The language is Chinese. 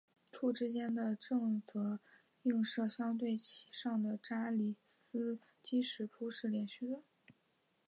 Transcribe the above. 簇之间的正则映射相对其上的扎里斯基拓扑是连续的。